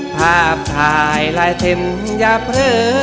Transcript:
ภาพถ่ายลายเส้นยาเผลอ